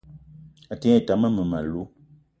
A te ngne tam mmem- alou